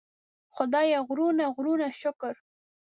خدایه غرونه غرونه شکر.